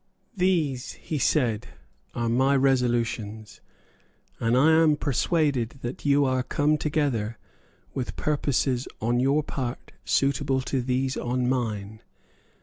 "These," he said, "are my resolutions; and I am persuaded that you are come together with purposes on your part suitable to these on mine.